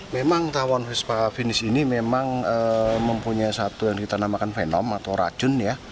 memang tawon vespa finish ini memang mempunyai satu yang kita namakan fenom atau racun ya